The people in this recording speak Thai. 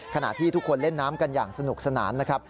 ขณะที่ทุกคนเล่นน้ำกันอย่างสนุกสนานนะครับ